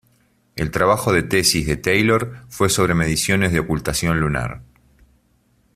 El trabajo de tesis de Taylor fue sobre mediciones de ocultación lunar.